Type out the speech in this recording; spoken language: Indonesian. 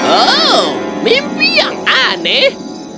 oh mimpi yang aneh